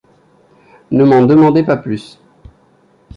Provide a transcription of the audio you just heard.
Ne m’en demandez pas plus.